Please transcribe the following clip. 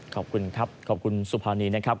ขอบคุณครับขอบคุณสุภานีนะครับ